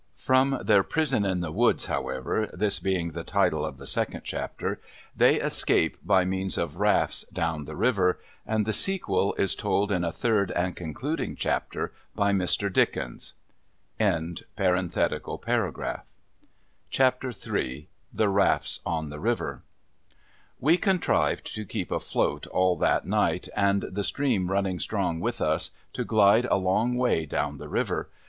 From GLIDING WITH THE STREAM 169 their ' Prison in the Woods,' however (this being the title of the second chapter), they escape by means of rafts down the river ; and the sequel is told in a third and concluding chapter by Mr. Dickens. 1 CHAPTER III THE RAFTS ON THE RIVER We contrived to keep afloat all that night, and, the stream running strong with us, to glide a long way down the river.